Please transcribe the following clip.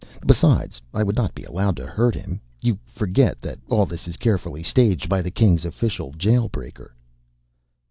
Besides, I would not be allowed to hurt him. You forget that all this is carefully staged by the King's Official Jail breaker."